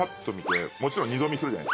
もちろん二度見するじゃない。